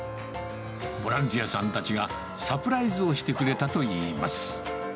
ボランティアさんたちがサプライズをしてくれたといいます。